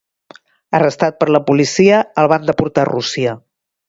Arrestat per la policia, el van deportar a Rússia.